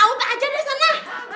awet aja deh sana